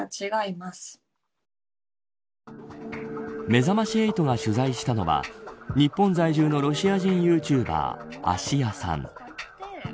めざまし８が取材したのは日本在住のロシア人ユーチューバー、あしやさん。